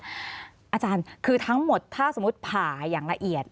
อาจารย์คือทั้งหมดถ้าสมมุติผ่าอย่างละเอียด